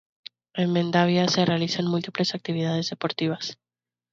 En Mendavia se realizan múltiples actividades deportivas.